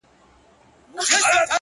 نوره به دي زه له ياده وباسم،